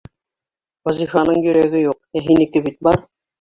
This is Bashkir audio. Вазифаның йөрәге юҡ, ә һинеке бит бар.